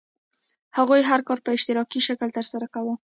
هغوی هر کار په اشتراکي شکل ترسره کاوه.